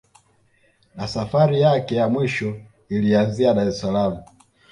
Na safari yake ya mwisho ilianzia Dar es saalam